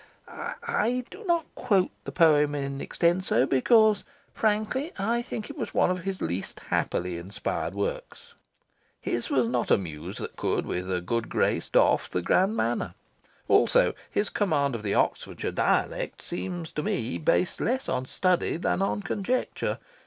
I do not quote the poem in extenso, because, frankly, I think it was one of his least happily inspired works. His was not a Muse that could with a good grace doff the grand manner. Also, his command of the Oxfordshire dialect seems to me based less on study than on conjecture.